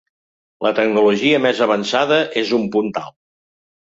La tecnologia més avançada és un puntal.